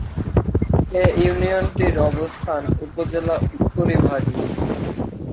এ ইউনিয়নটির অবস্থান উপজেলা উত্তরিভাগে।